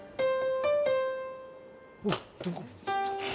わっどこ？